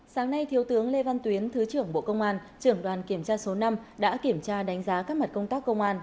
sáng nay thiếu tướng lê văn tuyến thứ trưởng bộ công an trưởng đoàn kiểm tra số năm đã kiểm tra đánh giá các mặt công tác công an